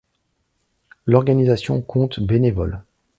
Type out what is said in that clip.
L'organisation compte bénévoles.